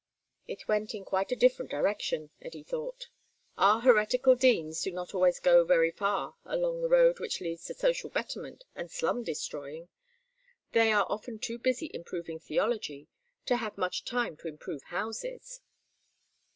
It went in a quite different direction, Eddy thought. Our heretical deans do not always go very far along the road which leads to social betterment and slum destroying; they are often too busy improving theology to have much time to improve houses.